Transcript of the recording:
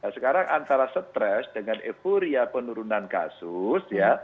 sekarang antara stress dengan euphoria penurunan kasus ya